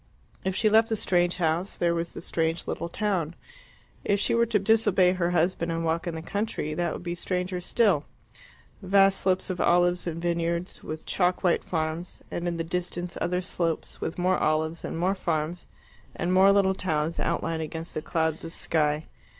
If she left the strange house there was the strange little town. If she were to disobey her husband and walk in the country, that would be stranger still vast slopes of olives and vineyards, with chalk white farms, and in the distance other slopes, with more olives and more farms, and more little towns outlined against the cloudless sky.